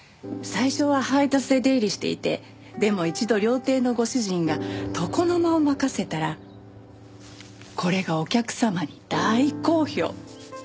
最初は配達で出入りしていてでも一度料亭のご主人が床の間を任せたらこれがお客様に大好評。